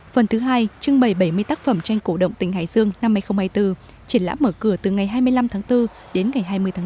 phần thứ hai trưng bày bảy mươi tác phẩm tranh cổ động tỉnh hải dương năm hai nghìn hai mươi bốn triển lãm mở cửa từ ngày hai mươi năm tháng bốn đến ngày hai mươi tháng bốn